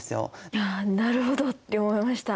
いやなるほどって思いました。